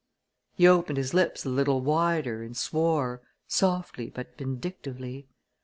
He opened his lips a little wider and swore, softly but vindictively.